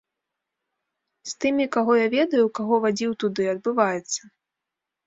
З тымі, каго я ведаю, каго вадзіў туды, адбываецца.